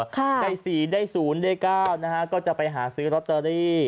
ได้สี่ได้ศูนย์ได้เก้านะฮะก็จะไปหาซื้อลอตเตอรี่